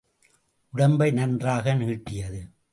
உடம்பை நன்றாக நீட்டியது.